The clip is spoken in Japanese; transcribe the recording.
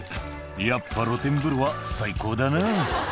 やっぱ露天風呂は最高だな。